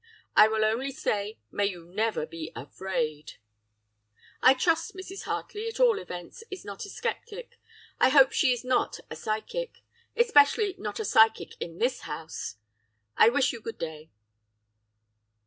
I will only say, "May you never be AFRAID." "'I trust Mrs. Hartley, at all events, is not a sceptic: I hope she is not a psychic! especially not a psychic in this house. I wish you good day!